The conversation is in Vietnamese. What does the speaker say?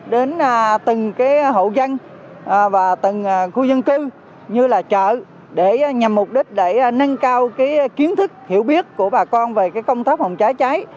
đến từng hộ dân và từng khu dân cư như là chợ để nhằm mục đích để nâng cao kiến thức hiểu biết của bà con về công tác phòng cháy cháy